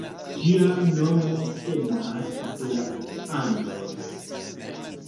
Ĝia nomo venas de la Andoj.